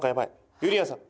ゆりやんさん。